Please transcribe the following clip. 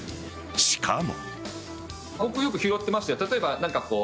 しかも。